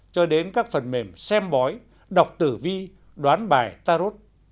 cho đến các phần mềm xem bói đọc tử vi đoán bài tarot